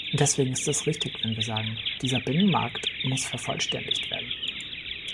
Deswegen ist es richtig, wenn wir sagen, dieser Binnenmarkt muss vervollständigt werden.